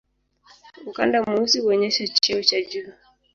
Ukanda mweusi huonyesha cheo cha juu.